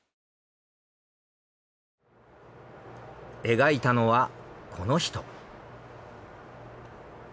描いたのはこの人。